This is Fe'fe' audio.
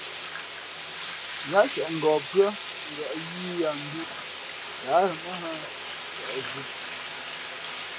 Yáá ntieʼ ngαh pʉ́ά ngα̌ yīī ya ndū tα á ghen mα nhᾱ, nkαʼzhi.